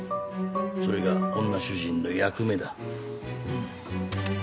それが女主人の役目だ。